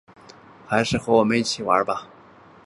还是和我们一起来玩吧